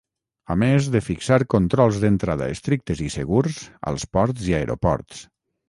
A més de “fixar controls d’entrada estrictes i segurs” als ports i aeroports.